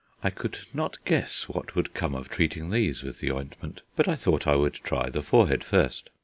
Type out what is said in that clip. I could not guess what would come of treating these with the ointment, but I thought I would try the forehead first.